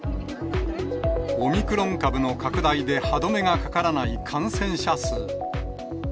オミクロン株の拡大で、歯止めがかからない感染者数。